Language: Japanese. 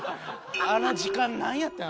あの時間なんやったん？